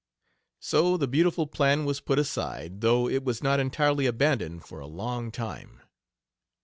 So the beautiful plan was put aside, though it was not entirely abandoned for a long time.